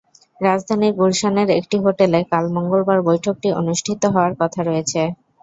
রাজধানীর গুলশানের একটি হোটেলে কাল মঙ্গলবার বৈঠকটি অনুষ্ঠিত হওয়ার কথা রয়েছে।